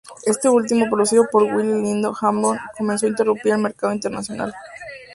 Este último, producido por Willie Lindo, Hammond comenzó a irrumpir en el mercado internacional.